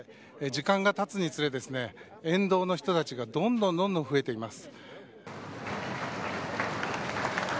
時間が経つにつれ沿道の人たちがどんどん増えています。